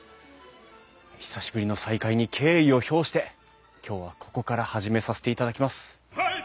久しぶりの再会に敬意を表して今日はここから始めさせていただきます。